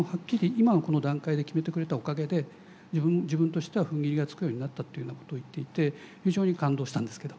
今のこの段階で決めてくれたおかげで自分としてはふんぎりがつくようになったというようなことを言っていて非常に感動したんですけど。